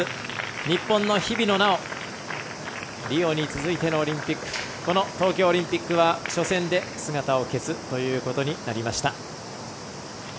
日本の日比野菜緒リオに続いてのオリンピックこの東京オリンピックは初戦で姿を消すということになりました。